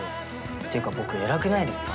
ていうか僕偉くないですか？